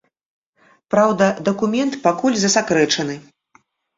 Праўда, дакумент пакуль засакрэчаны.